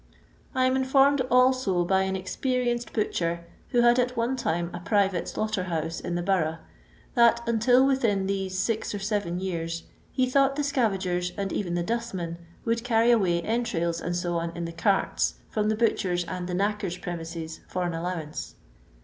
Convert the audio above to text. I am informed also by an ex perienced hutchor, who had at one time a private slaughter house in the Borou;»h, that, until within these six or seven years, he thought the sca vagers, and even the dustmen, would carry away entrails, &c., in the carts, from the butcher's and the knacker's premises, for an allowance.